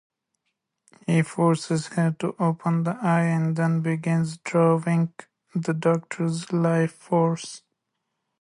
He forces her to open the Eye and then begins drawing the Doctor's lifeforce.